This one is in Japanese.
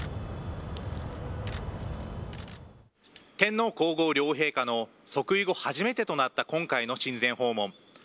天皇皇后両陛下の即位後初めてとなった今回の親善訪問。